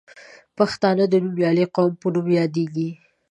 پښتانه د نومیالي قوم په نوم یادیږي.